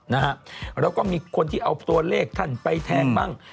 นะฮะแล้วก็มีคนที่เอาตัวเลขท่านไปแทงบ้าง